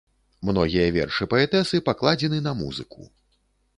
Многія вершы паэтэсы пакладзены на музыку.